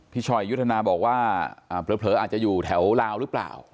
ชอยยุทธนาบอกว่าเผลออาจจะอยู่แถวลาวหรือเปล่า